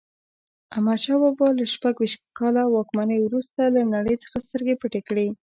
احمدشاه بابا له شپږویشت کاله واکمنۍ وروسته له نړۍ څخه سترګې پټې کړې.